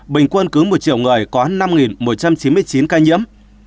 bình quân cứ một triệu người có năm một trăm chín mươi chín ca nhiễm